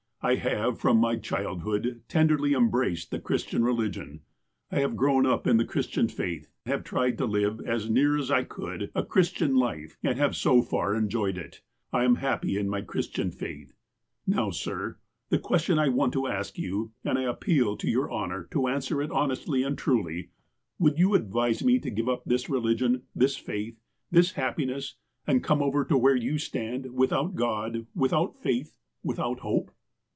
I have, from my childhood, tenderly em braced the Christian religion. I have grown up in the Christian faith, have tried to live, as near as I could, a Christian life, and have so far enjoyed it. I am happy in my Christian faith. Now, sir, the question I want to ask you, and I appeal to your honour to answer it hon estly and truly : Would you advise me to give up this religion, this faith, this happiness, and come over to where you stand, without God, without faith, without hope?